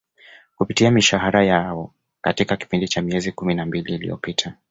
kupitia mishahara yao katika kipindi cha miezi kumi na mbili iliopita